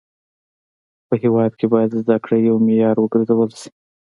په هيواد کي باید زده کړه يو معيار و ګرځول سي.